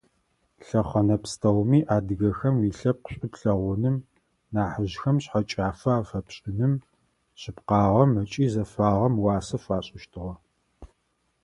Лъэхъэнэ пстэуми адыгэхэм уилъэпкъ шӏу плъэгъуным нахьыжъхэм шъхьэкӏафэ афэпшӏыным, шъыпкъагъэм ыкӏи зэфагъэм уасэ фашӏыщтыгъэ.